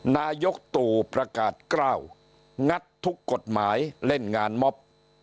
นายกตู่ประกาศกล้าวงัดทุกกฎหมายเล่นงานม็อบ